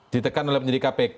ditekan oleh penyidik kpk